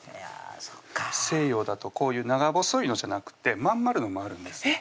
西洋だとこういう長細いのじゃなくて真ん丸のもあるんですえっ